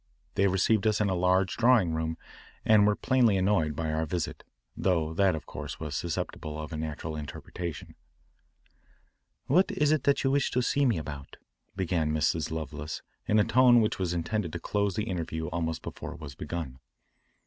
They received us in a large drawing room and were plainly annoyed by our visit, though that of course was susceptible of a natural interpretation. "What is it that you wished to see me about?" began Mrs. Lovelace in a tone which was intended to close the interview almost before it was begun.